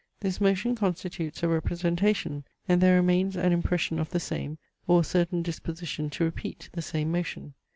This motion constitutes a representation, and there remains an impression of the same, or a certain disposition to repeat the same motion.